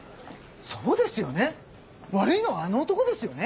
そうですよね悪いのはあの男ですよね。